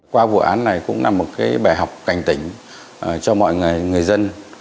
qua vụ án này cũng là một bài học cảnh tỉnh cho mọi người dân